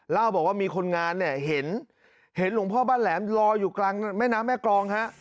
เล่าบอกว่ามีคนงานเนี่ยเห็นหลวงพ่อบ้านแหลมลอยอยู่กลางแม่น้ำแม่กรองฮะ